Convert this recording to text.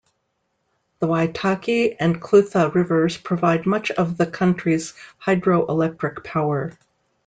The Waitaki and Clutha rivers provide much of the country's hydroelectric power.